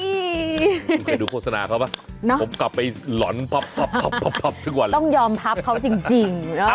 คุณเคยดูโฆษณาเขาป่ะผมกลับไปหล่อนพับทุกวันเลยต้องยอมพับเขาจริง